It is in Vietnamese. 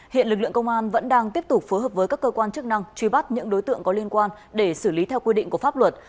hiện lực lượng công an vẫn đang tiếp tục phối hợp với các cơ quan chức năng truy bắt những đối tượng có liên quan để xử lý theo quy định của pháp luật